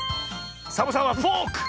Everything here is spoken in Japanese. サボさんはフォーク！